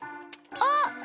あっ！